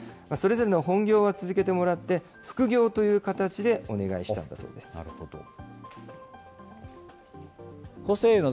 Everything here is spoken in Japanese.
それぞれの本業は続けてもらって、副業という形でお願いしたんだそなるほど。